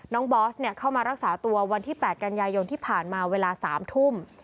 บอสเข้ามารักษาตัววันที่๘กันยายนที่ผ่านมาเวลา๓ทุ่ม